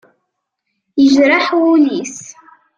Yejreḥ wul-is.